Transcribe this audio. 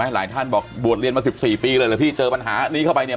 หลายท่านบอกบวชเรียนมา๑๔ปีเลยเหรอพี่เจอปัญหานี้เข้าไปเนี่ย